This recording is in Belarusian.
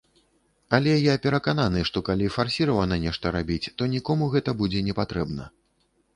Але я перакананы, што, калі фарсіравана нешта рабіць, то нікому гэта будзе непатрэбна.